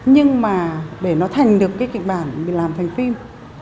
nhưng mà để nó thành được cái kịch bản mình làm thành phim